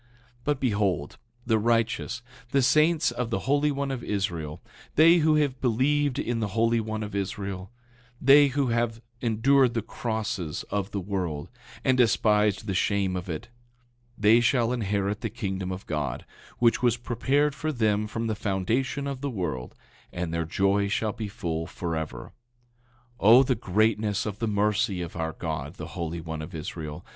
9:18 But, behold, the righteous, the saints of the Holy One of Israel, they who have believed in the Holy One of Israel, they who have endured the crosses of the world, and despised the shame of it, they shall inherit the kingdom of God, which was prepared for them from the foundation of the world, and their joy shall be full forever. 9:19 O the greatness of the mercy of our God, the Holy One of Israel!